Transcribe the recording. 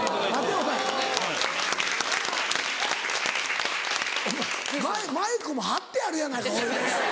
お前マイクも貼ってあるやないかほいで。